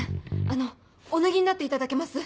あのお脱ぎになっていただけます？